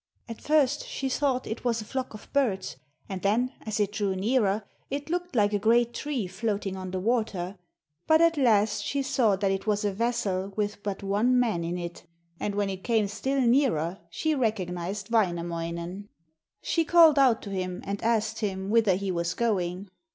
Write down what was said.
At first she thought it was a flock of birds, and then as it drew nearer it looked like a great tree floating on the water, but at last she saw that it was a vessel with but one man in it, and when it came still nearer she recognised Wainamoinen. She called out to him and asked him whither he was going.